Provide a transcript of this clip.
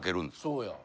そうや。